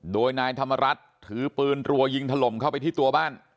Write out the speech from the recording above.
โดยนายธรรมรัฐถือปืนรัวยิงถล่มเข้าไปที่ตัวบ้าน